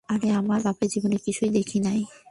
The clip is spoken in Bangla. আরে আমার বাপে জীবনে কিছুই দেখে নাই।